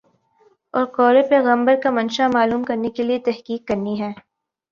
اور قولِ پیغمبر کا منشامعلوم کرنے کے لیے تحقیق کرنی ہے